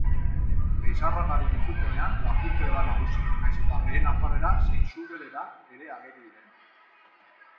Leizarragaren itzulpenean lapurtera da nagusi, nahiz eta behe nafarrera zein zuberera ere ageri diren.